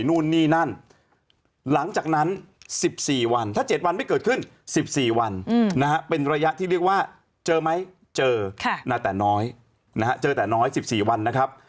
เจอหน้าแต่น้อยเจอแต่น้อย๑๔วันนะครับ